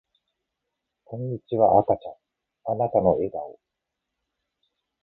こんにちは赤ちゃんあなたの笑顔